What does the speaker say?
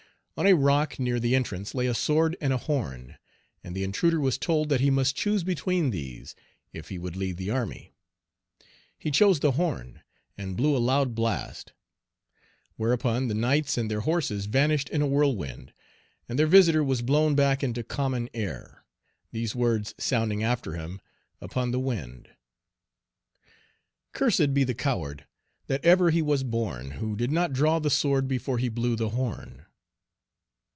On a rock near the entrance lay a sword and a horn, and the intruder was told that he must choose between these, if he would lead the army. He chose the horn, and blew a loud blast; whereupon the knights and their horses vanished in a whirlwind, and their visitor was blown back into common air, these words sounding after him upon the wind: "Cursed be the coward, that ever he was born, Who did not draw the sword before he blew the horn."